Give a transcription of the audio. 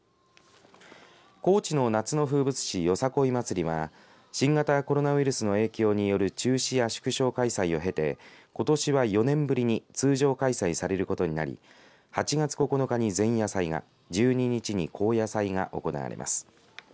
高知の夏の風物詩よさこい祭りは新型コロナウイルスの影響による中止や縮小開催を経てことしは４年ぶりに通常開催されることになり８月９日に前夜祭が１２日に後夜祭が行われます。